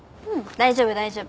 大丈夫大丈夫。